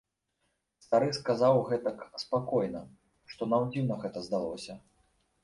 Стары сказаў гэтак спакойна, што нам дзіўна гэта здалося.